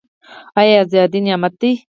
آیا ازادي نعمت دی؟